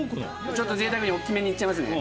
ちょっと贅沢に大きめにいっちゃいますね